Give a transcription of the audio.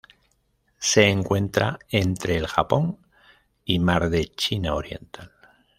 Se encuentra entre el Japón y Mar de China Oriental.